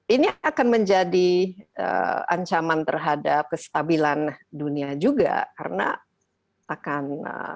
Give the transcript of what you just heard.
ini akan menjadi ancaman terhadap kestabilan dunia juga karena akan